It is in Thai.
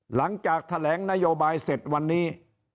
หลังจากแถลงนโยบายเสร็จวันนี้